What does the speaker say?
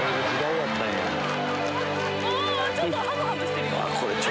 ちょっとハムハムしてるよ。